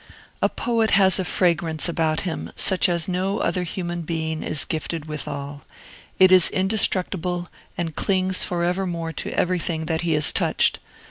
A poet has a fragrance about him, such as no other human being is gifted withal; it is indestructible, and clings forevermore to everything that he has touched.